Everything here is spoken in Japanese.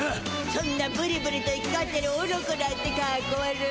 そんなブリブリといきがってるオノコなんてかっこ悪い。